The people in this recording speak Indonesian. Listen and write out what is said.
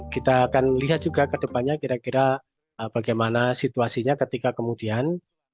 kita akan lihat juga ke depannya kira kira bagaimana situasinya ketika kemudian